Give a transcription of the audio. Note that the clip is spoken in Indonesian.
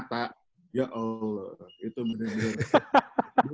saya pernah lagi tuh ko dut grace disana